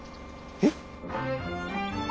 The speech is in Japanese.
えっ？